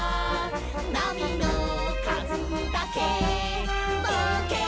「なみのかずだけぼうけんさ」